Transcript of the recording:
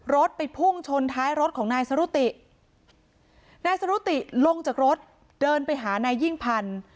รถไปพุ่งชนท้ายรถของนายสรุตินายสรุติลงจากรถเดินไปหานายยิ่งพันธ์